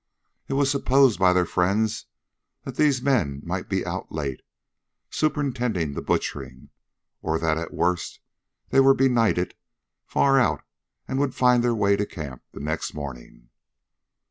It was supposed by their friends that these men might be out late, superintending the butchering, or that at worst they were benighted far out and would find their way to camp the next morning.